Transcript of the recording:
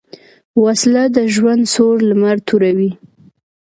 وسله د ژوند سور لمر توروي